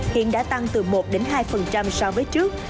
hiện đã tăng từ một hai so với trước